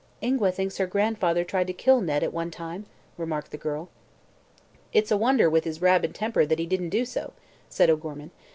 "Ingua thinks her grandfather tried to kill Ned, at one time," remarked the girl. "It's a wonder, with his rabid temper, that he didn't do so," said O'Gorman.